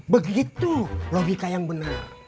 begitu logika yang benar